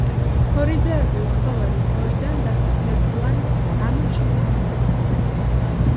ქორიძეები უხსოვარი დროიდან დასახლებულან გამოჩინებულის მთაზე.